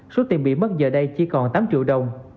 số tiền bị mất giờ đây chỉ còn tám triệu đồng